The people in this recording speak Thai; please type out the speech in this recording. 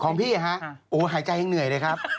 ของพี่โอ้หายใจยังเหนื่อยเลยครับ